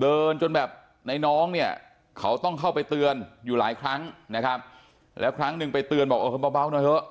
เดินจนแบบในน้องเนี่ยเขาต้องเข้าไปเตือนอยู่หลายครั้งนะครับแล้วครั้งหนึ่งไปเตือนบอกเออเบาหน่อยเถอะ